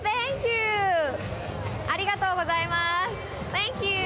サンキュー！